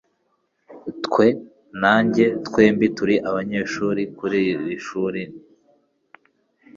Twe na njye twembi turi abanyeshuri kuri iri shuri.